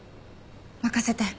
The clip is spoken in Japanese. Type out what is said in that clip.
任せて。